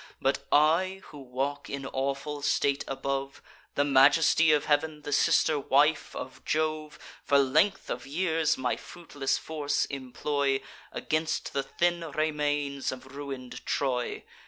But I, who walk in awful state above, The majesty of heav'n, the sister wife of Jove, For length of years my fruitless force employ Against the thin remains of ruin'd Troy!